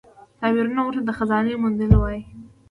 تعبیرونکی ورته د خزانې موندلو وايي.